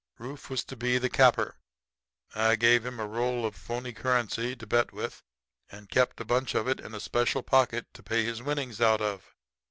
Rufe was to be the capper. I gave him a roll of phony currency to bet with and kept a bunch of it in a special pocket to pay his winnings out of.